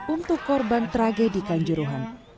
untuk korban tragedi kanjuruhan